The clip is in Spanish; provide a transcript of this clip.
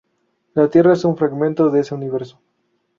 La Tierra es un fragmento de ese universo...